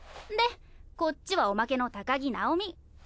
でこっちはおまけの高木尚実。